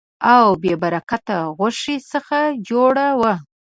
او بې برکته غوښې څخه جوړه وه.